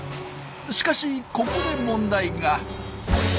しかしここで問題が。